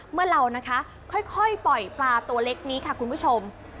เมื่อเรานะคะค่อยปล่อยปลาตัวเล็กนี้ค่ะคุณผู้ชม